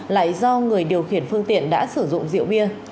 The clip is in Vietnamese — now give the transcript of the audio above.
lại do người điều khiển phương tiện đã sử dụng rượu bia